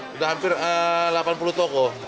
sudah hampir delapan puluh toko